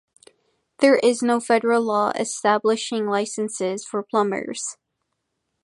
There is no federal law establishing licenses for plumbers.